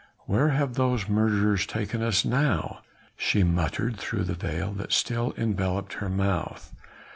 "Where have those murderers taken us to now?" she muttered through the veil that still enveloped her mouth.